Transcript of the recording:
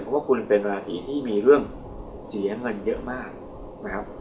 เพราะว่าคุณเป็นราศีที่มีเรื่องเสียเงินเยอะมากนะครับ